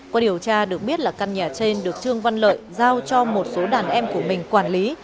qua điều tra được biết là căn nhà trên được trương văn lợi giao cho một số đàn em của mình quản lý